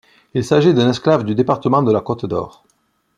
Il s'agit d'une exclave du département de la Côte-d'Or.